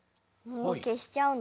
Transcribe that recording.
けしちゃうの？